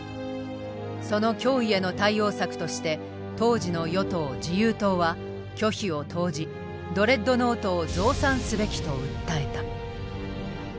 その脅威への対応策として当時の与党自由党は巨費を投じドレッドノートを増産すべきと訴えた。